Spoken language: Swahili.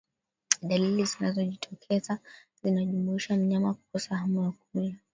Dalili zinazojitokeza zinajumuisha mnyama kukosa hamu ya kula